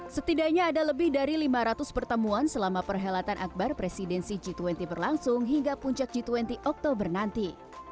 setidaknya ada lebih dari lima ratus pertemuan selama perhelatan akbar presidensi g dua puluh berlangsung hingga puncak g dua puluh oktober nanti